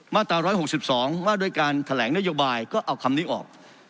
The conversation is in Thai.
มาตรา๑๖๒ว่าด้วยการแถลงนโยบายก็เอาคำนี้ออก